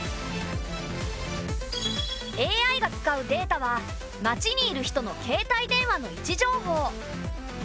ＡＩが使うデータは街にいる人の携帯電話の位置情報。